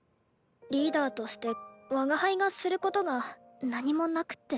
リーダーとして我が輩がすることが何もなくって。